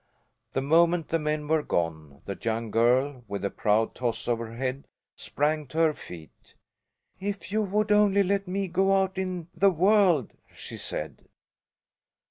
The moment the men were gone the young girl, with a proud toss of her head, sprang to her feet. "If you would only let me go out in the world!" she said.